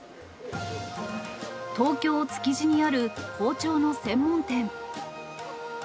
東京・築地にある、包丁の専門店。